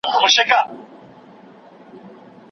سمه لارښوونه به د ځوان څېړونکي روښانه راتلونکی تضمین کړي.